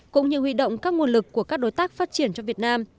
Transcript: cũng như huy động các nguồn lực của các đối tác phát triển cho việt nam